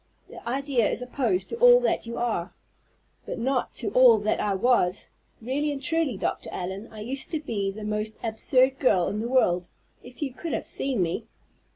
The idea is opposed to all that you are." "But not to all that I was. Really and truly, Dr. Allen, I used to be the most absurd girl in the world. If you could have seen me!"